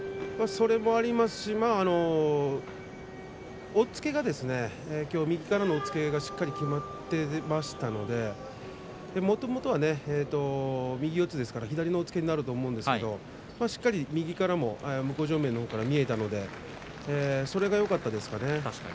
それもありますし押っつけがきょう右からの押っつけがしっかりきまっていましたのでもともとは右四つですから左の押っつけになると思うんですが右からも向正面のほうから見えたのでそれがよかったですね。